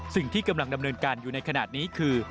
สิ่งที่กำลังดำเนินการอยู่ในขณะนี้คือ